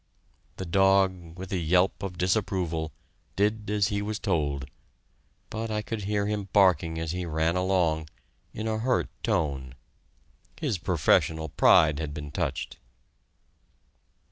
The dog, with a yelp of disapproval, did as he was told, but I could hear him barking as he ran along in a hurt tone. His professional pride had been touched!